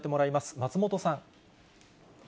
松本さん。